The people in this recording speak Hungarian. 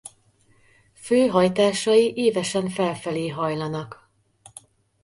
Fő hajtásai ívesen felfelé hajlanak.